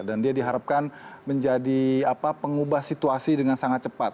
dan dia diharapkan menjadi pengubah situasi dengan sangat cepat